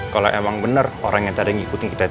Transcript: kalau emang bener orang yang tadi ngikutin kita